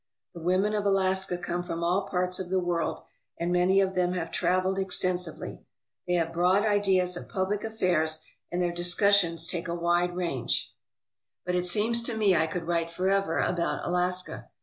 The women of Alaska come from all parts of the world, and many of them have travelled extensively. They have broad ideas of public affairs and their discussions take a wide range. 308 WOMEN ON AMERICA'S LAST FRONTIER But it seems to me I could write forever about Alaska.